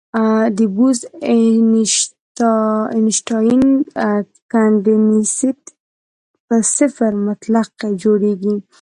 د بوز-اینشټاین کنډنسیټ په صفر مطلق کې جوړېږي.